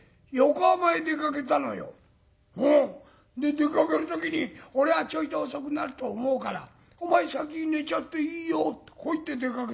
「出かける時に『俺はちょいと遅くなると思うからお前先に寝ちゃっていいよ』とこう言って出かけたの。